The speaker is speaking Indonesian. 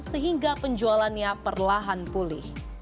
sehingga penjualannya perlahan pulih